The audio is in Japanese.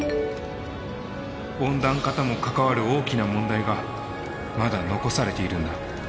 温暖化とも関わる大きな問題がまだ残されているんだ。